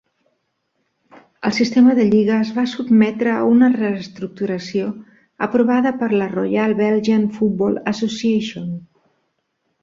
El sistema de lliga es va sotmetre a una reestructuració aprovada per la Royal Belgian Football Association.